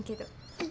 えっ！